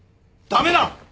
駄目だ！